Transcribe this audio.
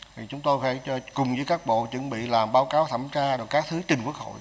thì chúng tôi phải cùng với các bộ chuẩn bị làm báo cáo thẩm tra rồi các thứ trình quốc hội